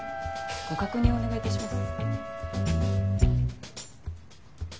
ご確認をお願いいたします。